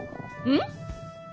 うん？